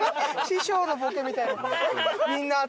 師匠のボケみたいな。